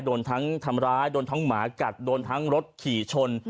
โดนทั้งทำร้ายโดนทั้งหมากัดโดนทั้งรถขี่ชน